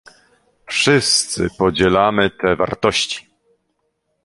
Wszyscy podzielamy te wartości